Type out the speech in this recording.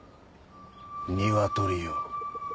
ニワトリよ。